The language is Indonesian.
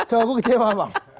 aku kecewa bang